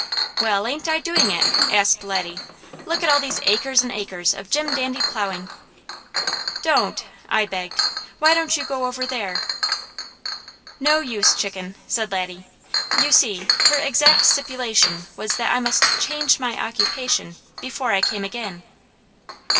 "Well, ain't I doing it?" asked Laddie. "Look at all these acres and acres of Jim dandy plowing!" "Don't!" I begged. "Why don't you go over there?" "No use, Chicken," said Laddie. "You see her exact stipulation was that I must CHANGE MY OCCUPATION before I came again."